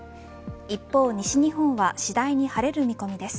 一方、西日本は次第に晴れる見込みです。